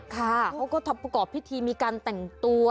ก็ประกอบพิธีมีการแต่งตัว